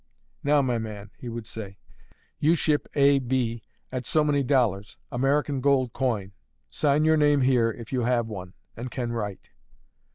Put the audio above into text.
"Now, my man," he would say, "you ship A. B. at so many dollars, American gold coin. Sign your name here, if you have one, and can write."